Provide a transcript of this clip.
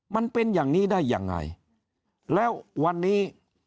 มันเป็นอย่างนี้ได้ยังไงแล้ววันนี้